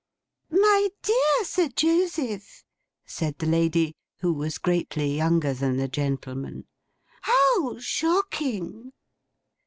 'My dear Sir Joseph!' said the lady, who was greatly younger than the gentleman. 'How shocking!